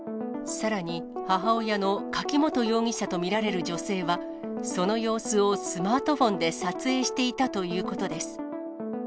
さらに母親の柿本容疑者と見られる女性は、その様子をスマートフォンで撮影していたということです。